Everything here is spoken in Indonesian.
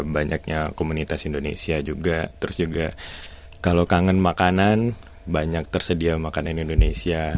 banyaknya komunitas indonesia juga terus juga kalau kangen makanan banyak tersedia makanan indonesia